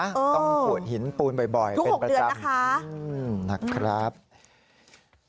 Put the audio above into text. ต้องปวดหินปูนบ่อยเป็นประจำนะครับทุก๖เดือน